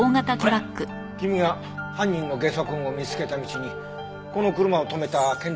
君が犯人のゲソ痕を見つけた道にこの車を止めた建材会社がわかってね